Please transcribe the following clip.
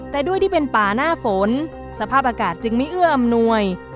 แต่ด้วยที่เป็นป่าหน้าฝนสภาพอากาศจึงไม่เอื้ออำนวย